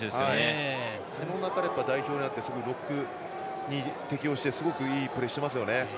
その中で代表になって適応してすごくいいプレーしてますよね。